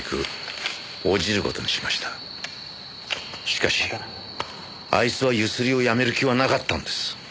しかしあいつはゆすりをやめる気はなかったんです。